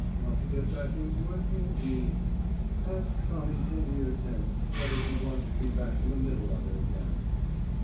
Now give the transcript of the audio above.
Want to get back into it, indeed! Ask Tommy ten years hence whether he wants to be back in the middle of it again!